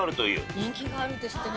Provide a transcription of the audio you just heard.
人気があるんですってね。